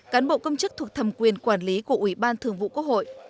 cán bộ công chức thuộc thầm quyền quản lý của ubthqh